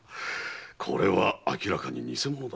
これは明らかに偽物だ。